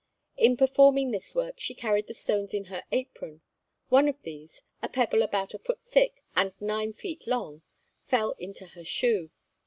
In performing this work she carried the stones in her apron; one of these a pebble about a foot thick and nine feet long fell into her shoe.